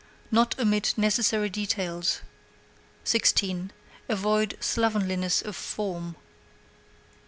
Not omit necessary details. 16. Avoid slovenliness of form.